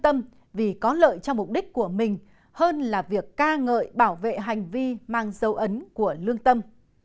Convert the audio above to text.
tâm vì có lợi cho mục đích của mình hơn là việc ca ngợi bảo vệ hành vi mang dấu ấn của lương tâm